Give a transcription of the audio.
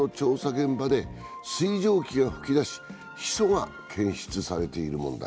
現場で水蒸気が噴き出しヒ素が検出されている問題。